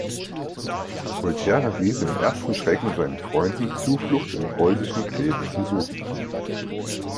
Voltaire riet im ersten Schrecken seinen Freunden, Zuflucht im preußischen Kleve zu suchen.